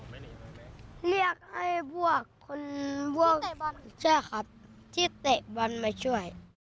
แล้วตอนนั้นเราเรียกให้ใครมาช่วยต่อไหมเรียกให้พวกคนบวกใช่ครับที่เตะบอลมาช่วย